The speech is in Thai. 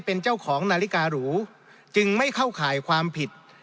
เป็นเจ้าของนาฬิการูจึงไม่เข้าข่ายความผิด